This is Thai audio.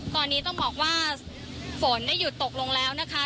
ตอนนี้ต้องบอกว่าฝนได้หยุดตกลงแล้วนะคะ